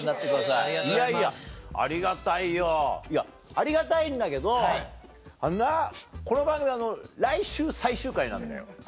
いやいやありがたいよいやありがたいんだけどあのなこの番組来週最終回なんだよ。